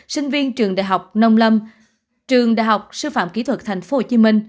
sinh viên trường đại học nông lâm trường đại học sư phạm kỹ thuật tp hcm